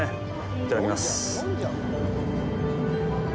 いただきます。